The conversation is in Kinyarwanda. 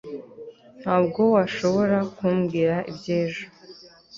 ntabwo washobora kumbwira iby'ejo